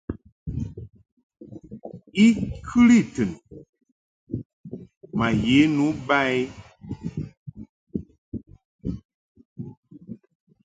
I kɨli tɨn ma ye nu ba i.